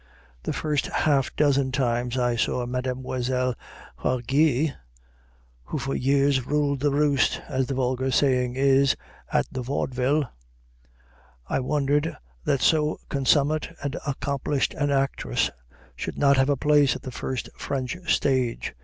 The first half dozen times I saw Mademoiselle Fargueil, who for years ruled the roost, as the vulgar saying is, at the Vaudeville, I wondered that so consummate and accomplished an actress should not have a place on the first French stage.